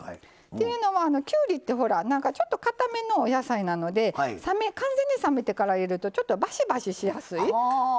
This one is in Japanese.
というのはきゅうりってちょっとかためのお野菜なので完全に冷めてから入れるとちょっとばしばししやすい。